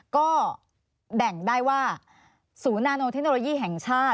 ก็แบ่งได้ว่าศูนย์นาโนเทคโนโลยีแห่งชาติ